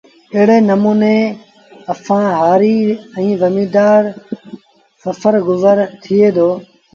ايڙي نموٚني سآݩ هآريٚ ائيٚݩ زميݩدآر روسڦر گزر ٿئي دو